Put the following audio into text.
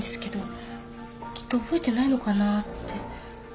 きっと覚えてないのかなって。